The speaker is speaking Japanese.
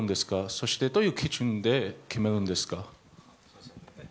そして、どういう基準で決めるんですか？